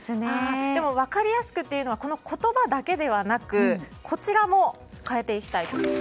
でも、分かりやすくというのは言葉だけではなくこちらも変えていきたいと。